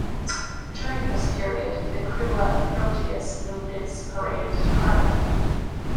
During this period, the Krewe of Proteus moved its parade to Carnival night.